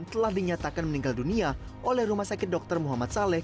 telah dinyatakan meninggal dunia oleh rumah sakit dr muhammad saleh